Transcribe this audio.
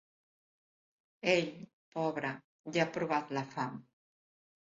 Ell, pobre, ja ha provat la fam.